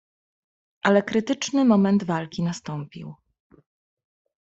"Ale krytyczny moment walki nastąpił."